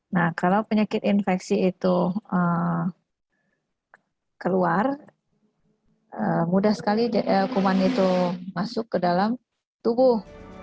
nah kalau penyakit infeksi itu keluar mudah sekali kuman itu masuk ke dalam tubuh